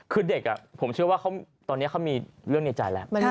คือเด็กผมเชื่อว่าตอนนี้เขามีเรื่องในใจแล้ว